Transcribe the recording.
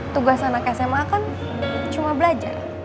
tugas anak sma kan cuma belajar